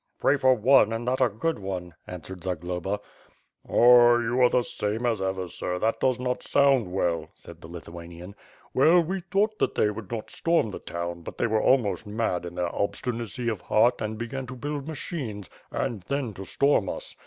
.." "Pray for one, and that a good one," answered Zagloba. "Ah, you are the same as ever, sir; that does not sound WITH FIRE AND SWORD. ^y^ well," said the Lithuanian. "Well, we thought they would not storm the town, but they were almost mad in their ob stinacy of heart, and began to build machines and then to storm us.